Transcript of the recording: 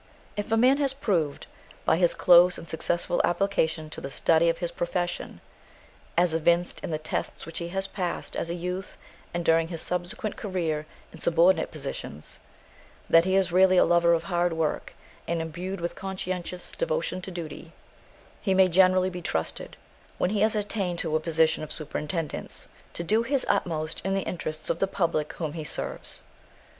If a man has proved, by his close and successful application to the study of his profession as evinced in the tests which he has passed as a youth and during his subsequent career in subordinate positions that he is really a lover of hard work, and imbued with conscientious devotion to duty, he may generally be trusted, when he has attained to a position of superintendence, to do his utmost in the interests of the public whom he serves.